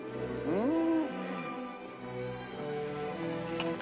うん！